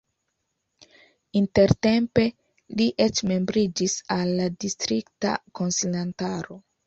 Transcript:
Intertempe li eĉ membriĝis al la distrikta konsilantaro.